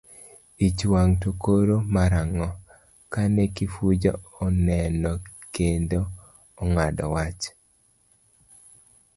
Ich wang' to koro mar ang'o kane Kifuja oneno kendo ong'ado wach?